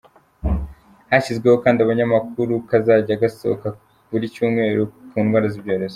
Hashyizweho kandi akanyamakuru kazajya gasohoka buri cyumweru ku ndwara z’ibyorezo.